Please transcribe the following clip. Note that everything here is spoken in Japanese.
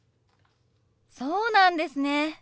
そうなんですね。